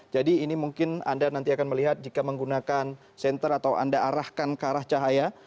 jadi ini mungkin anda nanti akan melihat jika menggunakan senter atau anda arahkan ke arah cahaya